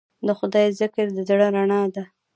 د خدای ذکر د زړه رڼا ده.